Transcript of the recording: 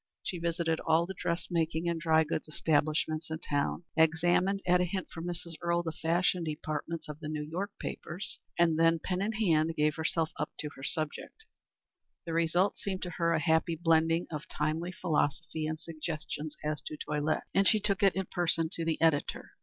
She visited all the dress making and dry goods establishments in town, examined, at a hint from Mrs. Earle, the fashion departments of the New York papers, and then, pen in hand, gave herself up to her subject. The result seemed to her a happy blending of timely philosophy and suggestions as to toilette, and she took it in person to the editor.